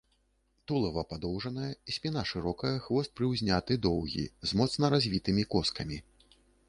Тулава падоўжанае, спіна шырокая, хвост прыўзняты, доўгі, з моцна развітымі коскамі.